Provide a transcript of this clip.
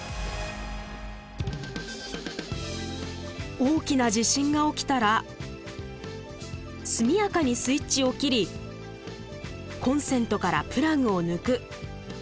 大きな地震が起きたら速やかにスイッチを切りコンセントからプラグを抜く。